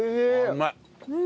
うまい。